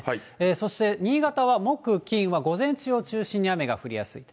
そして新潟は木、金は午前中を中心に雨が降りやすいと。